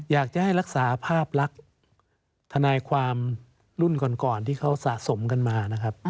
อยากจะให้รักษาภาพลักษณ์ทนายความรุ่นก่อนที่เขาสะสมกันมานะครับ